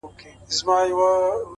له څه مودې ترخ يم خـــوابــــدې هغه؛